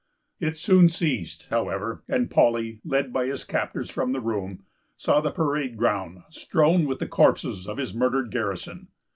It soon ceased, however, and Paully, led by his captors from the room, saw the parade ground strown with the corpses of his murdered garrison.